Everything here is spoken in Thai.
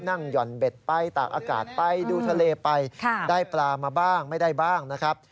หย่อนเบ็ดไปตากอากาศไปดูทะเลไปได้ปลามาบ้างไม่ได้บ้างนะครับ